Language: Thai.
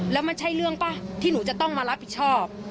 แล้วมันใช่เรื่องป่ะที่หนูจะต้องมารับผิดชอบ